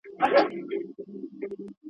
نارنج ګل د ننګرهار کلنۍ مشاعره ده.